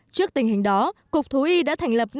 trước tình hình đó cục thú y đã thành lập